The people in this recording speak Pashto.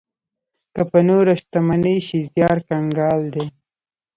که په نوره شتمنۍ شي، زيار کنګال دی.